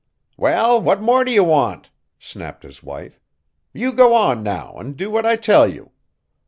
"Well, what more do you want?" snapped his wife. "You go on now, an' do what I tell you.